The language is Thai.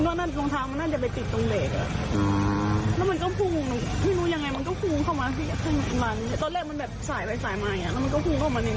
แล้วมันก็พุ่งเข้ามานี่แหละ